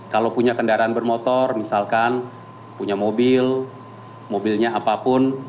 kalau punya kendaraan bermotor misalkan punya mobil mobilnya apapun